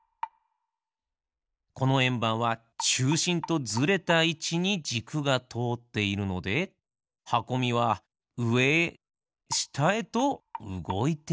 このえんばんはちゅうしんとずれたいちにじくがとおっているのではこみはうえへしたへとうごいているんですね。